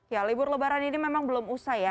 ya libur lebaran ini memang belum usai ya